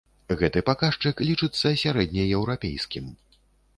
Гэты паказчык лічыцца сярэднееўрапейскім.